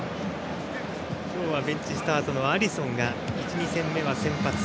今日はベンチスタートのアリソンが１、２戦目は先発。